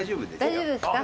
大丈夫ですか？